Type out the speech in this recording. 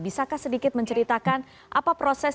bisakah sedikit menceritakan apa proses